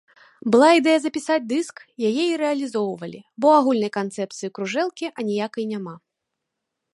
Была ідэя запісаць дыск, яе і рэалізоўвалі, бо агульнай канцэпцыі ў кружэлкі аніякай няма.